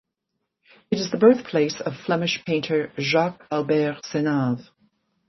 It is the birthplace of Flemish painter Jacques-Albert Senave.